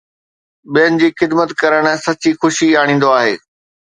ٻين جي خدمت ڪرڻ سچي خوشي آڻيندو آهي